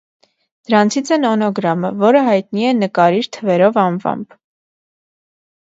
Դրանցից է նոնոգրամը, որը հայտնի է «նկարիր թվերով» անվամբ։